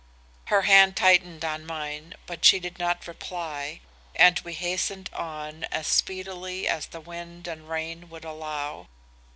"Her hand tightened on mine, but she did not reply, and we hastened on as speedily as the wind and rain would allow.